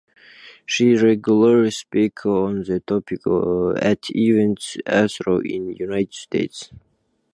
She regularly speaks on the topic at events across the United States.